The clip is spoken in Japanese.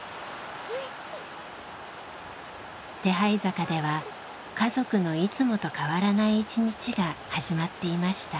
手這坂では家族のいつもと変わらない一日が始まっていました。